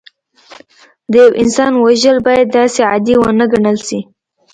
د یو انسان وژل باید داسې عادي ونه ګڼل شي